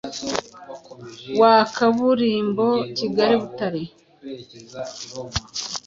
wa kaburimbo Kigali-Butare